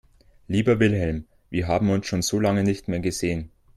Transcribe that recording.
Lieber Wilhelm, wir haben uns schon so lange nicht mehr gesehen.